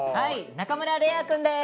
中村嶺亜くんです。